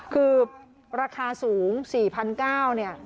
คือราคาสูง๔๙๐๐บาท